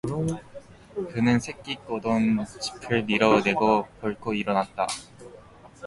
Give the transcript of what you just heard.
그는 새끼 꼬던 짚을 밀어 내고 벌컥 일어났다.